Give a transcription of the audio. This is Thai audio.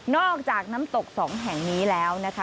อกจากน้ำตกสองแห่งนี้แล้วนะคะ